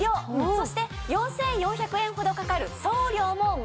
そして４４００円ほどかかる送料も無料。